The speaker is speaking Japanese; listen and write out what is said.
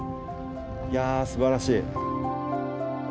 いやすばらしい。